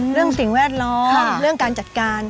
เรื่องสิ่งแวดล้อเรื่องการจัดการ